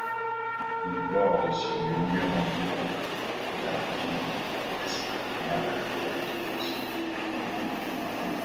Il borde sur une longueur d'environ la région est du marais de la Putréfaction.